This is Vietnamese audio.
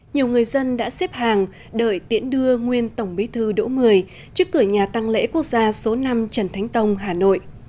nhiều người dân đã xếp hàng đợi tiễn đưa nguyên tổng bí thư đỗ mười trước cửa nhà tăng lễ quốc gia số năm trần thánh tông hà nội